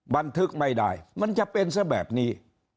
บันทึกไม่ได้มันจะเป็นซะแบบนี้